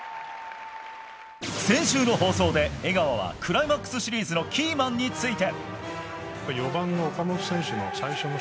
先週の放送で江川はクライマックスシリーズのキーマンについて。